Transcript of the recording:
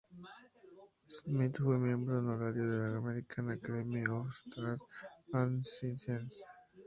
Smith fue miembro honorario de la American Academy of Arts and Sciences.